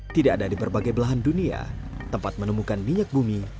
tidak ada di berbagai belahan dunia tempat menemukan minyak bumi